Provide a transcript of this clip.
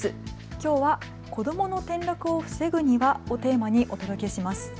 きょうは子どもの転落を防ぐにはをテーマにお届けします。